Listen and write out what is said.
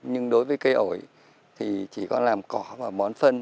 nhưng đối với cây ổi thì chỉ có làm cỏ và bón phân